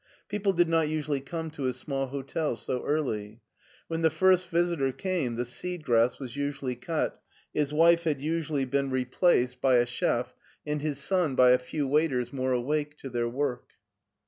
People did not usually come to his small hotel so early. When the first visitor came the seed grass was usually cut, his wife had usually been replaced 148 MARTIN SCHULER by a chef, and his son by a few waiters more awake to their work.